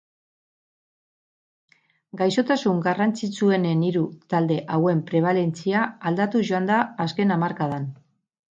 Gaixotasun garrantzitsuenen hiru talde hauen prebalentzia aldatuz joan da azken hamarkadan.